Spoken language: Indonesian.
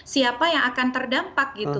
siapa yang akan terdampak